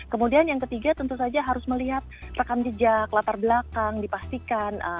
kemudian yang ketiga tentu saja harus melihat rekam jejak latar belakang dipastikan